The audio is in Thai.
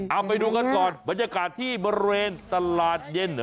เอาไปดูกันก่อนบรรยากาศที่บริเวณตลาดเย็น